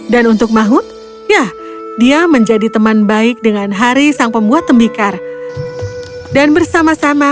dan untuk maut ya dia menjadi teman baik dengan hari sang pembuat tembikar dan bersama sama